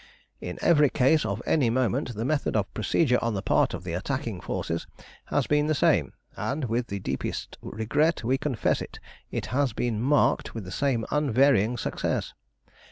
"In every case of any moment the method of procedure on the part of the attacking forces has been the same, and, with the deepest regret we confess it, it has been marked with the same unvarying success.